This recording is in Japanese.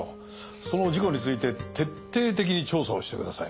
その事故について徹底的に調査をしてください。